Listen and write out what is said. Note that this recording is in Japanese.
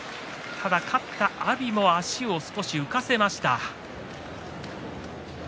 ただ、勝った阿炎も足を少し浮かせました。